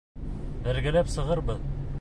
Бергәләп сығырбыҙ.